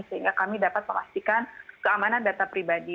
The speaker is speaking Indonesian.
sehingga kami dapat memastikan keamanan data pribadi